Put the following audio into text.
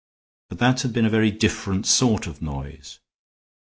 But that had been a very different sort of noise.